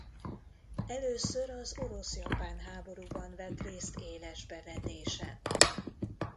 Először az orosz–japán háborúban vett részt éles bevetésen.